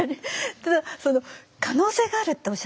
ただその可能性があるっておっしゃったじゃないですか。